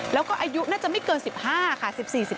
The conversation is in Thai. แล้วก็อายุน่าจะไม่เกิน๑๕ค่ะ